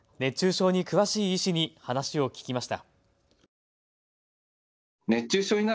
熱中症に詳しい医師に話を聞きました。